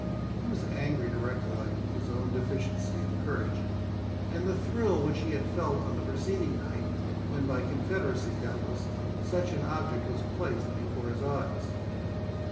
He was angry to recollect his own deficiency of courage, and the thrill which he felt on the preceding night, when by confederacy, doubtless, such an object was placed before his eyes.